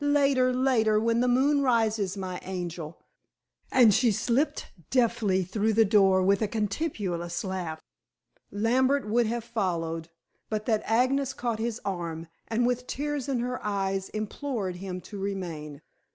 "Later, later, when the moon rises, my angel," and she slipped deftly through the door with a contemptuous laugh. Lambert would have followed, but that Agnes caught his arm, and with tears in her eyes implored him to remain.